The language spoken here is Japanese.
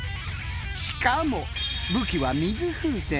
しかも武器は水風船。